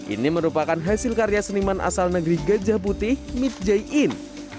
ini merupakan hasil karya seniman asal negeri gajah putih mit jai in